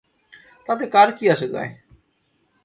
তাতে কার কী আসে যায়!